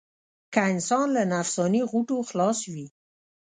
که انسان له نفسياتي غوټو خلاص وي.